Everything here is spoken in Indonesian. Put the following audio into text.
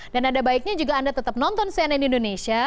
dan ada baiknya juga anda tetap nonton cnn indonesia